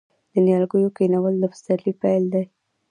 د نیالګیو کینول د پسرلي پیل دی.